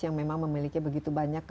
yang memang memiliki begitu banyak